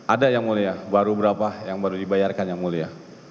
ada yang mulia baru berapa yang baru dibayarkan yang mulia